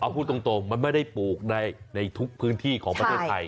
พูดตรงมันไม่ได้ปลูกในทุกพื้นที่ของประเทศไทย